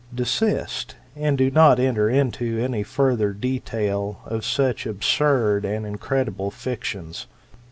Desist, and do not enter into any further detail of such absurd and incredible fictions.